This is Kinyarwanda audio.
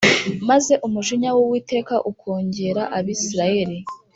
maze umujinya w uwiteka ukongera abisirayeli